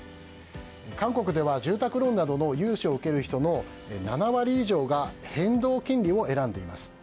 韓国では、住宅ローンなどの融資を受ける人の７割以上が変動金利を選んでいます。